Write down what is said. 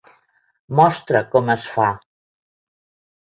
Mostra com es fa".